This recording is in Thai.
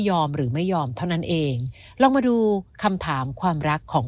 หรือไม่ยอมเท่านั้นเองลองมาดูคำถามความรักของ